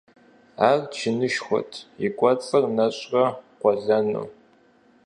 Ар чынышхуэт, и кӀуэцӀыр нэщӀрэ къуэлэну .